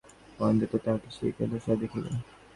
মহেন্দ্র তো তাহাকে সেই ঘৃণাচক্ষে দেখিবে।